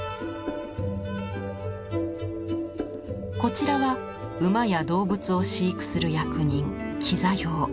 こちらは馬や動物を飼育する役人跪座俑。